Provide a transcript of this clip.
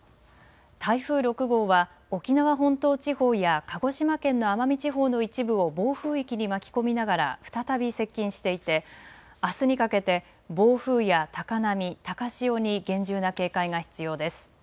台風６号は沖縄本島地方や鹿児島県の奄美地方の一部を暴風域に巻き込みながら再び接近していてあすにかけて暴風や高波、高潮に厳重な警戒が必要です。